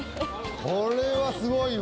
これはすごいわ。